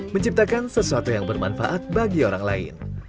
menciptakan sesuatu yang bermanfaat bagi orang lain